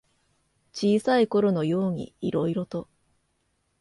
小さいころのようにいろいろと。